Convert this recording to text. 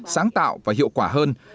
sáng tạo và hiệu quả hơn